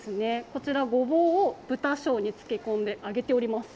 こちらごぼうを豚醤に漬け込んで揚げております。